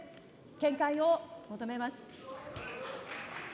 見解を求めます。